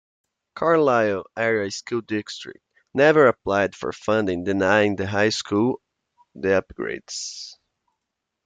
Carlisle Area School District never applied for funding denying the high school the upgrades.